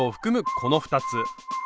この２つ。